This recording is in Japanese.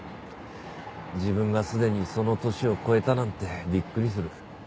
自分がすでにその年を超えたなんてびっくりする。